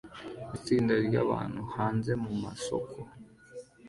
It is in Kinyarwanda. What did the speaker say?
Itsinda ryabantu hanze mumasoko